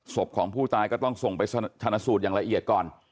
ศพของผู้ตายก็ต้องส่งไปชนะสูตรอย่างละเอียดก่อน